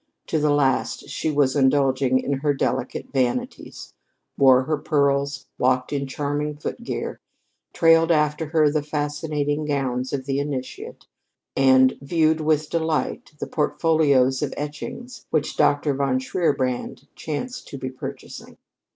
To the last, she was indulging in her delicate vanities wore her pearls, walked in charming foot gear, trailed after her the fascinating gowns of the initiate, and viewed with delight the portfolios of etchings which Dr. von Shierbrand chanced to be purchasing.